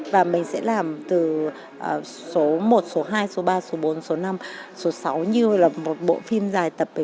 và mình sẽ làm từ số một số hai số ba số bốn số năm số sáu như là một bộ phim dài trở thành series